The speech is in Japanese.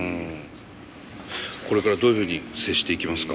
これからどういうふうに接していきますか？